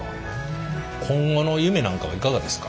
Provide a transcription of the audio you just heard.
今後の夢なんかはいかがですか？